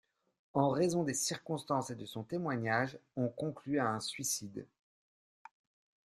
En raison des circonstances et de son témoignage, on conclut à un suicide.